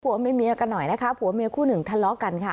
ผัวเมียกันหน่อยนะคะผัวเมียคู่หนึ่งทะเลาะกันค่ะ